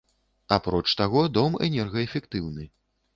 Апроч таго, дом энергаэфектыўны.